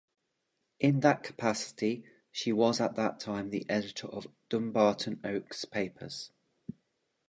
In that capacity, she was at that time the editor of Dumbarton Oaks Papers.